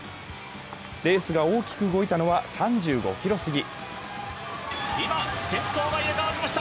レースが大きく動いたのは３５ｋｍ過ぎ。